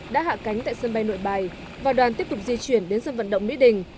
đã hạ cánh tại sân bay nội bài và đoàn tiếp tục di chuyển đến sân vận động mỹ đình